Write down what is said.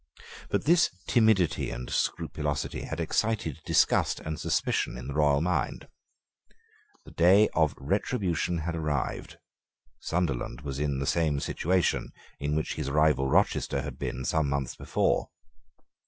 But this timidity and scrupulosity had excited disgust and suspicion in the royal mind. The day of retribution had arrived. Sunderland was in the same situation in which his rival Rochester had been some months before.